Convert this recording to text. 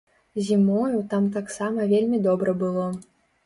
Зімою там таксама вельмі добра было.